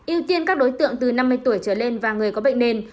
ưu tiên các đối tượng từ năm mươi tuổi trở lên và người có bệnh nền